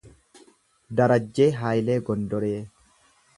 Darajjee Hayilee Gondoree